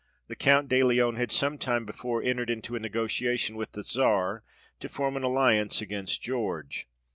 The Count de Leon had sometime before entered into a negotiation with the Czar, to form an alliance against George.